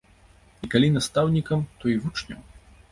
І калі настаўнікам, то і вучням?